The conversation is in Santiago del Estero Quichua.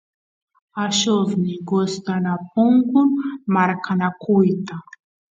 allusniy gustapukun marqanakuyta